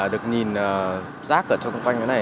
được nhìn rác ở trong quanh như thế này